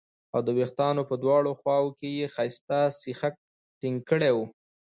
او د وېښتانو په دواړو خواوو کې یې ښایسته سیخک ټینګ کړي وو